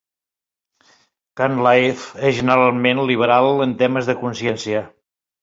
Cunliffe és generalment liberal en temes de consciència.